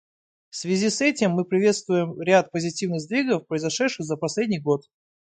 В связи с этим мы приветствуем ряд позитивных сдвигов, произошедших за последний год.